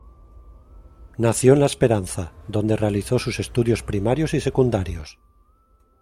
Nació en La Esperanza, donde realizó sus estudios primarios y secundarios.